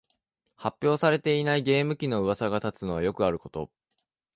発表されていないゲーム機のうわさが立つのはよくあること